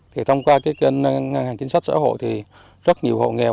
thì thông qua cái kênh hàng chính sách xã hội thì rất nhiều hộ nghèo